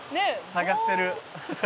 探してる」